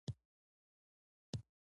د درونټې جهیل ماهیان لري؟